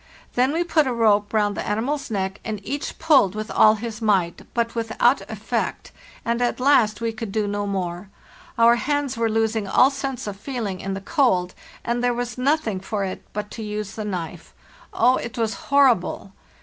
Then we put a rope round the animal's neck, and each pulled with all his might, but without effect, and at last we could do no more. Our hands were losing all sense of feeling in the cold, and there was nothing for it but to use the knife. Oh, it was horrible!